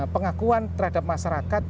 pengakuan terhadap masyarakat